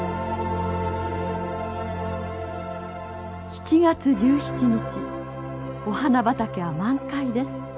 ７月１７日お花畑は満開です。